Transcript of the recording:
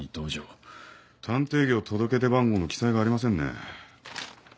探偵業届出番号の記載がありませんね。